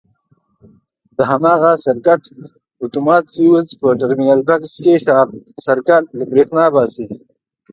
د هماغه سرکټ اتومات فیوز په ټرمینل بکس کې شارټ سرکټ له برېښنا باسي.